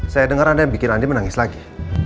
saya denger anda yang bikin andin menangis lagi